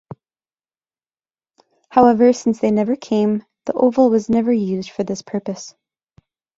However, since they never came, The Oval was never used for this purpose.